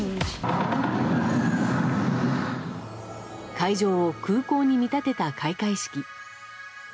会場を空港に見立てた開会式。